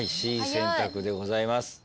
Ｃ選択でございます。